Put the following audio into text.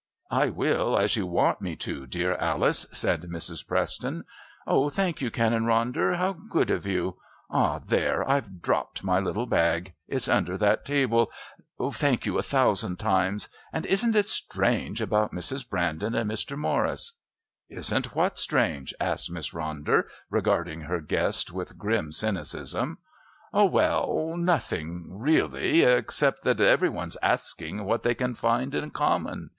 "I will, as you want me to, dear Alice," said Mrs. Preston. "Oh, thank you, Canon Ronder! How good of you; ah, there! I've dropped my little bag. It's under that table. Thank you a thousand times! And isn't it strange about Mrs. Brandon and Mr. Morris?" "Isn't what strange?" asked Miss Ronder, regarding her guest with grim cynicism. "Oh well nothing really, except that every one's asking what they can find in common.